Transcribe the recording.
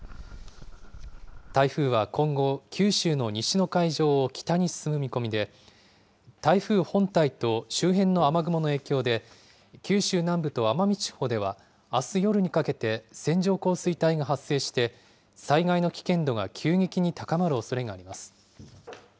台風は今後、九州の西の海上を北に進む見込みで、台風本体と周辺の雨雲の影響で、九州南部と奄美地方では、あす夜にかけて線状降水帯が発生して、災害の危険度が急激に高まるおそれがあります。